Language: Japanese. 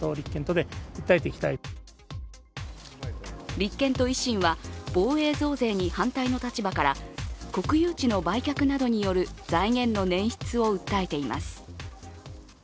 立憲と維新は防衛増税に反対の立場から国有地の売却などによる財源の捻出を訴えています。